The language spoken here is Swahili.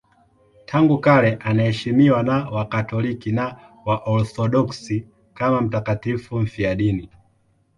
Tangu kale anaheshimiwa na Wakatoliki na Waorthodoksi kama mtakatifu mfiadini.